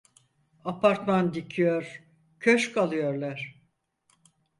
Apartman dikiyor, köşk alıyorlar.